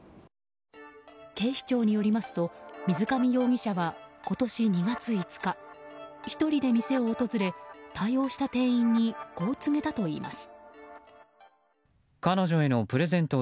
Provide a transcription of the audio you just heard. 警視庁によりますと水上容疑者は今年２月５日１人で店を訪れ、対応した店員にこう告げたといいます。